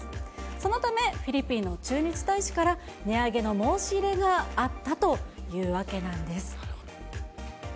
そのため、フィリピンの駐日大使から値上げの申し入れがあったというわけなんです。